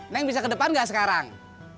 neng bisa ke depan nggak sekarang